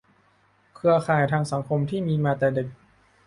เครือข่ายทางสังคมที่มีมาแต่เด็ก